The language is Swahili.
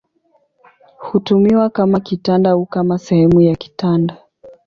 Hutumiwa kama kitanda au kama sehemu ya kitanda.